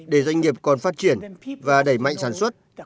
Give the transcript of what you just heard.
để doanh nghiệp còn phát triển và đẩy mạnh sản xuất